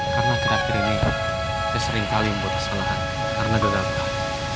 karena akhir akhir ini saya sering kaling buat kesalahan karena kegabalan